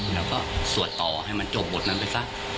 แล้วก็สวดต่อให้มันจบบทนั้นไปซะ